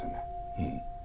うん。